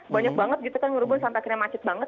banyak banget gitu kan ngurubun santaknya macet banget